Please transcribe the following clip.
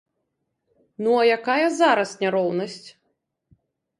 Ну а якая зараз няроўнасць?